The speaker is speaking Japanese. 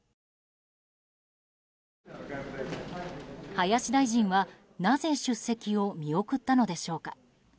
林大臣は、なぜ出席を見送ったのでしょうか。